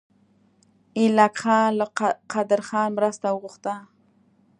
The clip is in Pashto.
ایلک خان له قدرخان مرسته وغوښته.